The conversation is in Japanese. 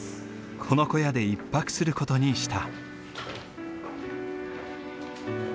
この小屋で１泊する事にした。